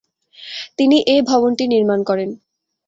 তিনি এ ভবনটি নির্মাণ করেন।